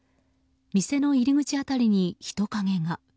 店の入り口辺りに人影が。